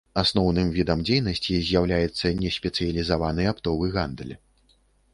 Асноўным відам дзейнасці з'яўляецца неспецыялізаваны аптовы гандаль.